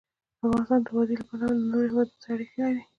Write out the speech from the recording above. افغانستان د وادي له پلوه له نورو هېوادونو سره اړیکې لري.